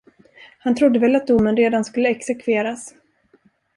Han trodde väl att domen redan skulle exekveras.